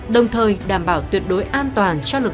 đồng thời đảm bảo tuyệt đối an toàn